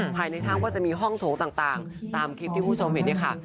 ภายในถ้ำก็จะมีห้องโถงต่างตามคลิปที่คุณผู้ชมเห็นเนี่ยค่ะ